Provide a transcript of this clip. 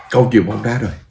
câu chuyện bóng đá rồi